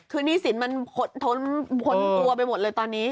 คือหนี้สินมันทนตัวไปหมดเลยตอนนี้